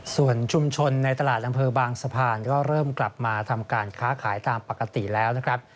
ส่วนชุมชนในตลาดอำเภอบางสะพานก็เริ่มกลับมาทำการค้าขายตามปกติแล้วนะครับ